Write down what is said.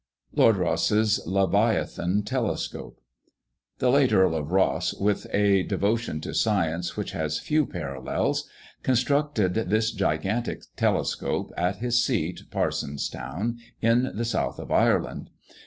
LORD ROSSE'S LEVIATHAN TELESCOPE. The late Earl of Rosse, with a devotion to science which has few parallels, constructed this gigantic telescope, at his seat, Parsonstown, in the south of Ireland.